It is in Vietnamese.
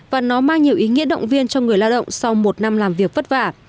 và nó mang nhiều ý nghĩa động viên cho người lao động sau một năm làm việc vất vả